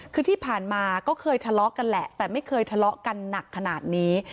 คือที่ผ่านมาก็เคยทะเลาะกันแหละแต่ไม่เคยทะเลาะกันหนักขนาดนี้